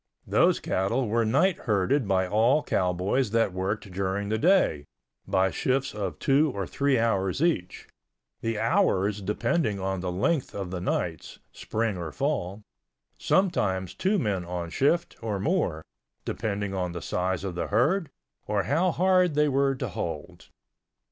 Those cattle were night herded by all cowboys that worked during the day, by shifts of two or three hours each, the hours depending on the length of the nights—spring or fall—sometimes two men on shift, or more, depending on the size of the herd or how hard they were to hold.